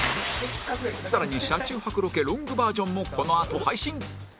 更に車中泊ロケロングバージョンもこのあと配信